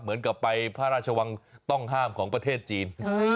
เหมือนกับไปพระราชวังต้องห้ามของประเทศจีน